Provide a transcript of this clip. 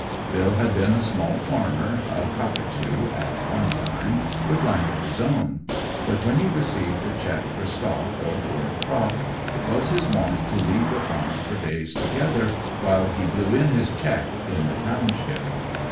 Bill had been a small farmer, a "cockatoo," at one time, with land of his own; but when he received a cheque for stock or for a crop, it was his wont to leave the farm for days together while he "blew in his cheque" in the township.